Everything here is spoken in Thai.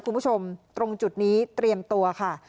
คุณผู้ชมตรงจุดนี้เตรียมตัวค่ะ